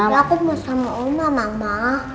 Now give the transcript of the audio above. ya aku mau sama oma mama